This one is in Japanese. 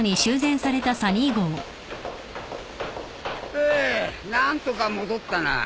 フゥ何とか戻ったな。